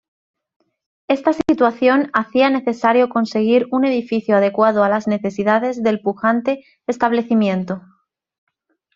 Esta situación hacía necesario conseguir un edificio adecuado a las necesidades del pujante establecimiento.